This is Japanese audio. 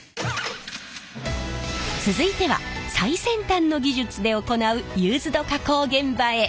続いては最先端の技術で行うユーズド加工現場へ。